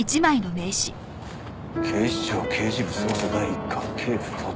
「警視庁刑事部捜査第一課警部十津川省三」？